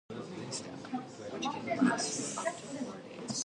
The canal then continues southwards towards Bakersfield.